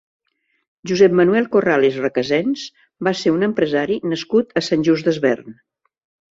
Josep-Manuel Corrales Recasens va ser un empresari nascut a Sant Just Desvern.